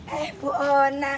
eh bu ona